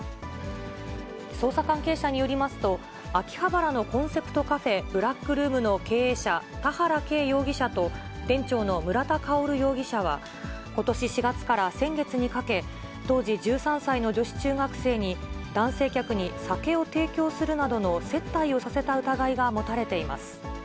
捜査関係者によりますと、秋葉原のコンセプトカフェ、ｂｌａｃｋｒｏｏｍの経営者、田原圭容疑者と、店長の村田香容疑者は、ことし４月から先月にかけ、当時１３歳の女子中学生に、男性客に酒を提供するなどの接待をさせた疑いが持たれています。